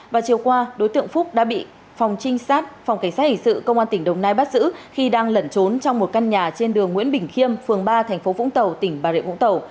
và chiều qua đối tượng phúc đã bị phòng trinh sát phòng cảnh sát hình sự công an tỉnh đồng nai bắt giữ khi đang lẩn trốn trong một căn nhà trên đường nguyễn bình khiêm phường ba thành phố vũng tàu tỉnh bà rịa vũng tàu